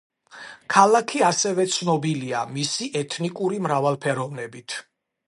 ქალაქი ასევე ცნობილია მისი ეთნიკური მრავალფეროვნებით.